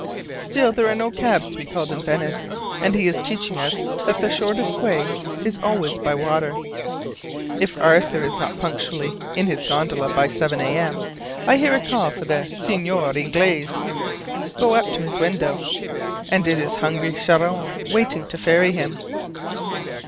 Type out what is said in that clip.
Still there are no cabs to be called in Venice, and he is teaching us that the shortest way is always by water. If Arthur is not punctually in his gondola by 7 A.M., I hear a call for the "Signore Inglese" go up to his window; and it is hungry Charon waiting to ferry him.